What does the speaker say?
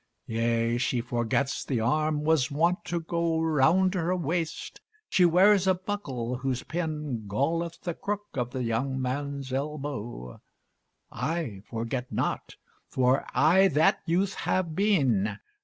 Yea! she forgets the arm was wont to go Around her waist. She wears a buckle, whose pin Galleth the crook of the young man's elbów. I forget not, for I that youth have been.